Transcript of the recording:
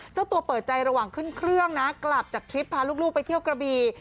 เจ้าตัวเปิดใจระหว่างขึ้นเครื่องนะกลับจากทริปพาลูกไปเที่ยวกระบี